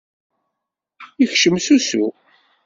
Yekcem s usu.